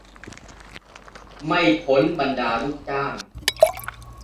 ไม่พ้นบรรดาลูกจ้าง